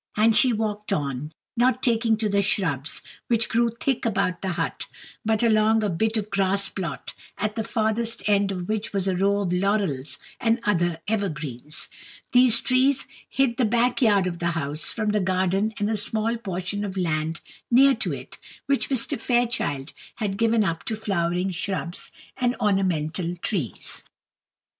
And she walked on, not taking to the shrubs, which grew thick about the hut, but along a bit of grass plot, at the farthest end of which was a row of laurels and other evergreens. These trees hid the back yard of the house from the garden and small portion of land near to it, which Mr. Fairchild had given up to flowering shrubs and ornamental trees.